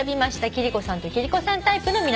貴理子さんと貴理子さんタイプの皆さんは。